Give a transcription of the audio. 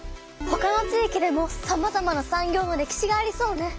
ほかの地域でもさまざまな産業の歴史がありそうね。